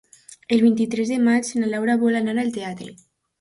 El vint-i-tres de maig na Laura vol anar al teatre.